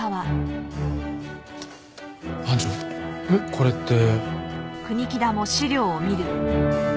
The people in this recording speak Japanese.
班長これって。